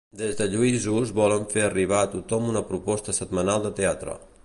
Des de Lluïsos volen fer arribar a tothom una proposta setmanal de teatre.